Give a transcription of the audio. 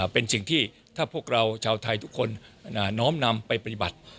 เป็นสิ่งที่ถ้าพวกเราชาวไทยทุกคนน้อมนำไปปฏิบัติ